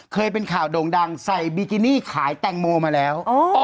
เคยเป็นข่าวโด่งดังใส่บิกินี่ขายแตงโมมาแล้ว